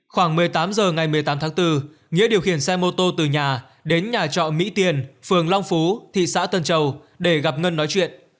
khoảng một mươi tám h ngày một mươi tám tháng bốn nghĩa điều khiển xe mô tô từ nhà đến nhà trọ mỹ tiền phường long phú thị xã tân châu để gặp ngân nói chuyện